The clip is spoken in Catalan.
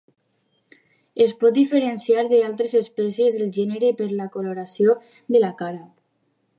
Es pot diferenciar d'altres espècies del gènere per la coloració de la cara.